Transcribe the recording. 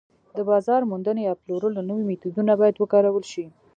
د بازار موندنې یا پلورلو نوي میتودونه باید وکارول شي